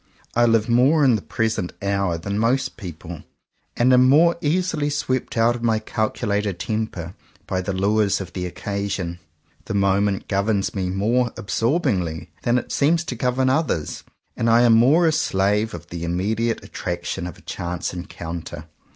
I live more in the present hour than most people; and am more easily swept out of my calculated temper by the lures of the occasion. The moment governs me more absorbingly than it seems to govern others, and I am more a slave of the immediate at traction of a chance encounter.